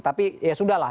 tapi ya sudah lah